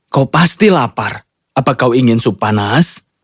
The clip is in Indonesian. kau pasti lapar apa kau ingin sup panas